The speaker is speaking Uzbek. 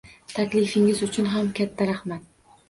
Taklifingiz uchun ham katta rahmat